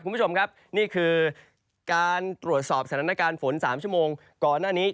คุณผู้ชมครับนี่คือการตรวจสอบสถานการณ์ฝน๓ชั่วโมงก่อนหน้านี้